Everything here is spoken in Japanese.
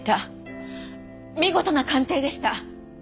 見事な鑑定でした。